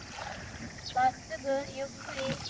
まっすぐゆっくり。